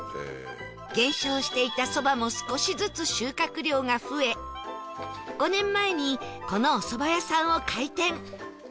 減少していたそばも少しずつ収穫量が増え５年前にこのおそば屋さんを開店